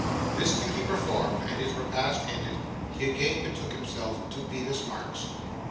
This duty performed, and his repast ended, he again betook himself to Bevis Marks.